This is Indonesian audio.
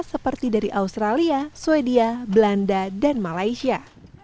seperti dari australia sweden belanda dan malaysia